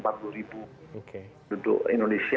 penduduk indonesia penduduk muslimnya dan yang lainnya ya